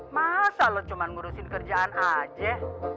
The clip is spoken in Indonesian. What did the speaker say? masa lo cuma ngurusin kerjaan aja